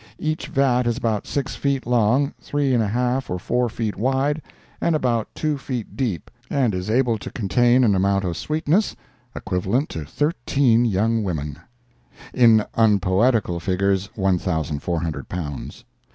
Each vat is about six feet long, three and a half or four feet wide and about two feet deep, and is able to contain an amount of sweetness equivalent to thirteen young women—in unpoetical figures, 1,400 pounds.